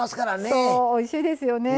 そうおいしいですよね。